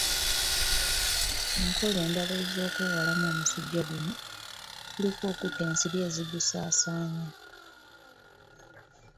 Enkola endala ez'okwewalamu omusujja guno, kuliko okutta ensiri ezibusaasaanya